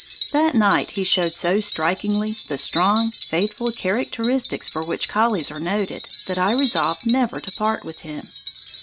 That night he showed so strikingly the strong, faithful characteristics for which collies are noted that I resolved never to part with him.